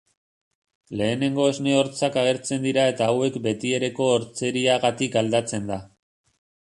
Lehenengo esne-hortzak agertzen dira eta hauek betiereko hortzeriagatik aldatzen da.